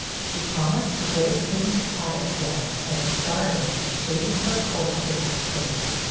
She promised to go soon to Cabotville, and started, shaping her course for that place.